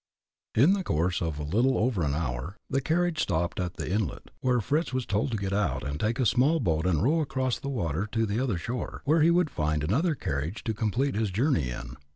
In the course of little over an hour, the carriage stopped at the inlet, where Fritz was told to get out and take a small boat and row across the water to the other shore, where he would find another carriage to complete his journey in.